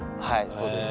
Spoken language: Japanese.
そうです。